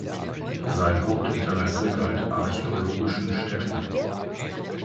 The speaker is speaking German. Sein Hauptinteresse galt archäologischen Stätten.